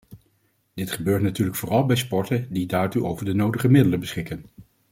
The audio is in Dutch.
Dit gebeurt natuurlijk vooral bij sporten die daartoe over de nodige middelen beschikken.